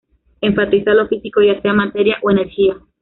Enfatiza lo físico, ya sea materia o energía.